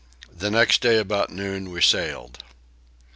The next day about noon we sailed.